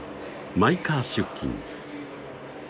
マイカー出勤